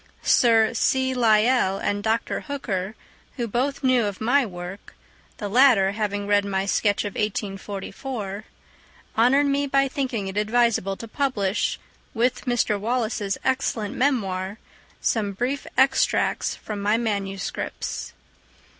Sir C. Lyell and Dr. Hooker, who both knew of my work—the latter having read my sketch of 1844—honoured me by thinking it advisable to publish, with Mr. Wallace's excellent memoir, some brief extracts from my manuscripts.